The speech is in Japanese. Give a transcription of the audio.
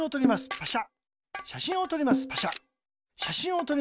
パシャ。